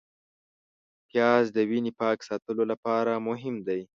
پیاز د وینې پاک ساتلو لپاره مهم دی